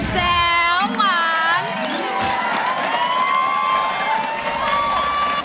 แจวมั้ง